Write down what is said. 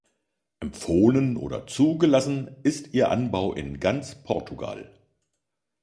Empfohlen oder zugelassen ist ihr Anbau in ganz Portugal.